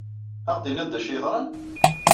Ad aɣ-d-tinid d acu ay yeḍran?